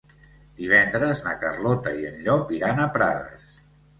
Divendres na Carlota i en Llop iran a Prades.